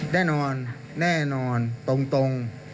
แน่นอนแน่นอนตรง